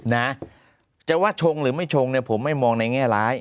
แต่ว่าชงหรือไม่ชงผมไม่มองในแง่ร้าย